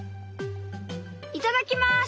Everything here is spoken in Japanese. いただきます！